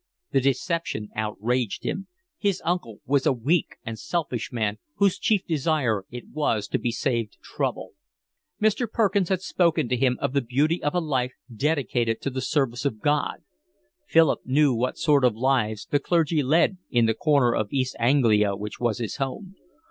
The deception outraged him. His uncle was a weak and selfish man, whose chief desire it was to be saved trouble. Mr. Perkins had spoken to him of the beauty of a life dedicated to the service of God. Philip knew what sort of lives the clergy led in the corner of East Anglia which was his home.